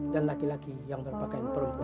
dan laki laki yang berpakaian perempuan